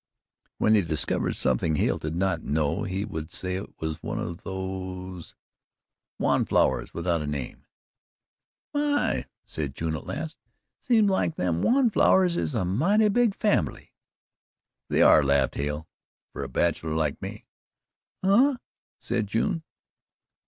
When they discovered something Hale did not know he would say that it was one of those "'Wan flowers without a name.'" "My!" said June at last, "seems like them wan flowers is a mighty big fambly." "They are," laughed Hale, "for a bachelor like me." "Huh!" said June.